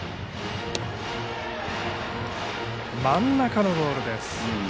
真ん中のボールでした。